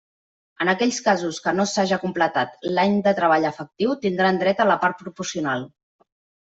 En aquells casos que no s'haja completat l'any de treball efectiu, tindran dret a la part proporcional.